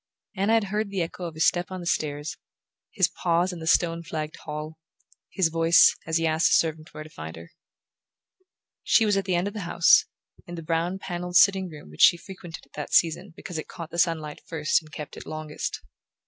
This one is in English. Anna had heard the echo of his step on the stairs, his pause in the stone flagged hall, his voice as he asked a servant where to find her. She was at the end of the house, in the brown panelled sitting room which she frequented at that season because it caught the sunlight first and kept it longest.